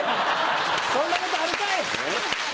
そんなことあるかい！